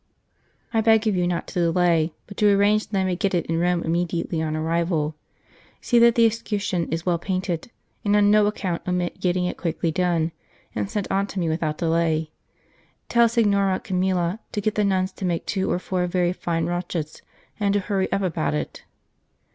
I beg of you not to delay, but to arrange that I may get it in Rome immediately on arrival. See that the escutcheon is well painted, and on no account omit getting it quickly done, and sent on to me without delay. Tell Signora Camilla to get the Nuns to make two or four very fine rochets, and to hurry up about it.